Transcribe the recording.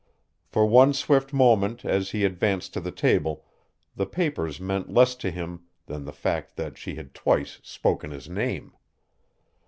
For one swift moment as he advanced to the table the papers meant less to him than the fact that she had twice spoken his name.